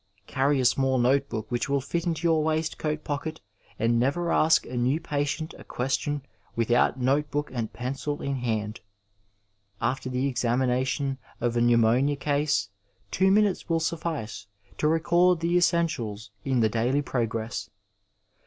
Cany a small notebook which will fit into your waistcoat pocket, and never ask a new patient a question without notebook and pencil in hand. After the examination of a pneumonia case two minutes will suffice to record the essentials in the daily progress.